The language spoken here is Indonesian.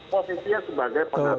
posisinya sebagai pengasas